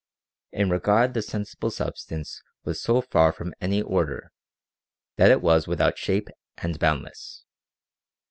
In regard the sensible substance was so far from any order, that it was without shape and boundless.